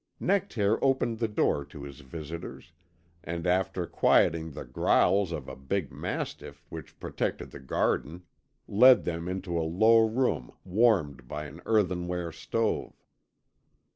Nectaire opened the door to his visitors, and, after quieting the growls of a big mastiff which protected the garden, led them into a low room warmed by an earthenware stove.